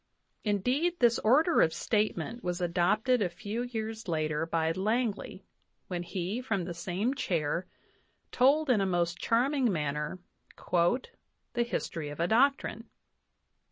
Indeed, this order of statement was adopted a few years later by Langley, when he, from the same chair, told in a most charming manner "The History of a Doctrine."